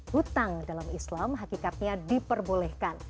hutang dalam islam hakikatnya diperbolehkan